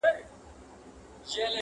خالق ورته لیکلي دي د نوح د قوم خوبونه-